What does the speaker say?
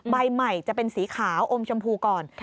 ใบใหม่จะเป็นสีขาวอมชมพูก่อน